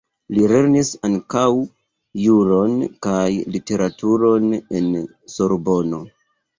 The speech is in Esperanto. Li lernis ankaŭ juron kaj literaturon en Sorbono.